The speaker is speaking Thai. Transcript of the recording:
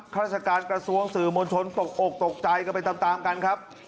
ราชการกระทรวงสื่อมวลชนตกอกตกใจกันไปตามกันครับ